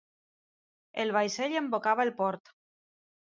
El vaixell embocava el port.